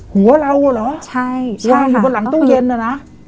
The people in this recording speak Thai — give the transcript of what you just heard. หัวเราเหรอลองอยู่บนหลังตู้เย็นน่ะนะ